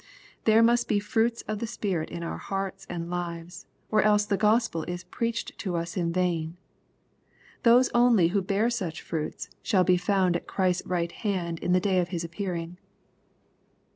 There must be fruits of the Spirit in our hearts and lives, or else the Gospel is preached to us in vain. Those only who bear such fruits, shall be found at Christ's right hand in the day of His appearing.